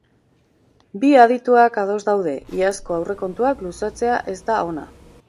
Bi adituak ados daude, iazko aurrekontuak luzatzea ez da ona.